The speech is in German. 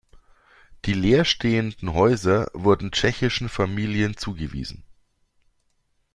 Die leerstehenden Häuser wurden tschechischen Familien zugewiesen.